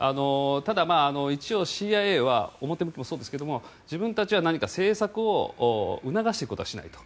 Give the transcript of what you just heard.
ただ、一応、ＣＩＡは表向きもそうですけど自分たちは何か政策を促していくことはしないと。